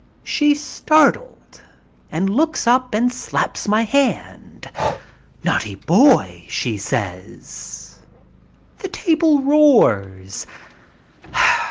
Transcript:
She's startled and looks up and slaps my hand. " Naughty boy," she says. The table roars.